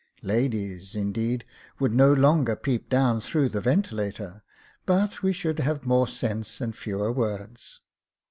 Ladies, in deed, would no longer peep down through the ventilator , but we should have more sense and fewer words.